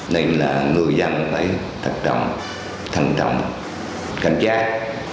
nên là người dân phải thật trọng thận trọng cảnh giác